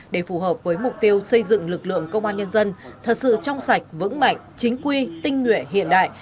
để phù hợp với mục tiêu xây dựng lực lượng công an nhân dân thật sự trong sạch vững mạnh chính quy tinh nguyện hiện đại